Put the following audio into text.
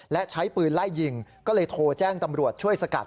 และใช้ปืนไล่ยิงก็เลยโทรแจ้งตำรวจช่วยสกัด